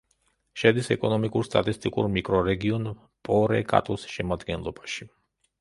შედის ეკონომიკურ-სტატისტიკურ მიკრორეგიონ პორეკატუს შემადგენლობაში.